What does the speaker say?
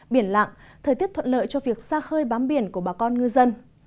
biển lặng thời tiết thuận lợi cho việc xa khơi bám biển của bà con ngư dân